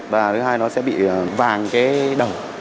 và thứ hai nó sẽ bị vàng cái đầu